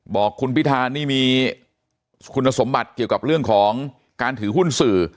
บอกคุณพิธานี่มีคุณสมบัติเกี่ยวกับเรื่องของการถือหุ้นสื่อ